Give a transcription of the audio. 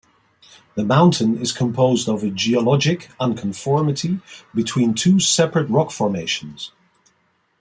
The mountain is composed of a geologic unconformity between two separate rock formations.